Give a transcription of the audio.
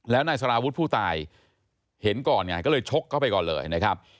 แล้วนายสารวุฒิผู้ตายเห็นก่อนไงก็เลยชกเข้าไปก่อนเลยนะครับ